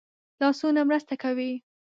لاسونه مرسته کوي